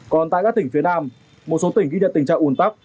còn tại các tỉnh phía nam một số tỉnh ghi nhận tình trạng ủn tắc